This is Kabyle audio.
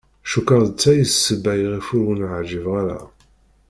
Cukkeɣ d ta i d ssebba iɣef ur wen-εǧibeɣ ara.